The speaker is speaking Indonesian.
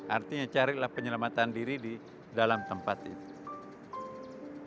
artinya carilah penyelamatan diri di dalam tempat itu